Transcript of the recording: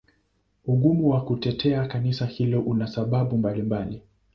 Ugumu wa kutetea Kanisa hilo una sababu mbalimbali.